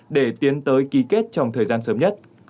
để tiến tới ký kết trong thời gian sớm nhất